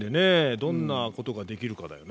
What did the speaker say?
どんなことができるかだよな。